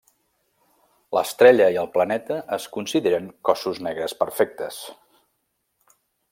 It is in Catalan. L'estrella i el planeta es consideren cossos negres perfectes.